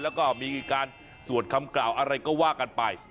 แล้วก็มีการสวดคำกล่าวอะไรก็ว่ากันไป